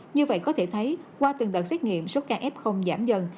như vậy có thể thấy qua từng đợt xét nghiệm số ca f giảm dần